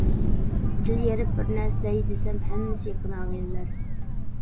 تىل يېرىپ بىر نەرسە دەي دېسەم ھەممىسى يېقىن ئاغىنىلەر.